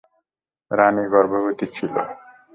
রানী গর্ভবতী ছিল।